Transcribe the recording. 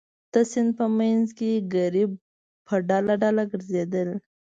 د سیند په منځ کې ګرېب په ډله ډله ګرځېدل.